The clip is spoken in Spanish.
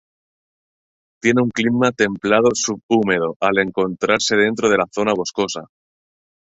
Tiene un clima templado-subhúmedo al encontrarse dentro de la zona boscosa.